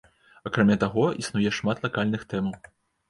Акрамя таго, існуе шмат лакальных тэмаў.